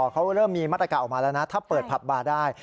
เขาเริ่มมีมาตรการออกมาแล้วนะถ้าเปิดผับบาร์ได้